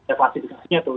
evasi dikasihnya tuh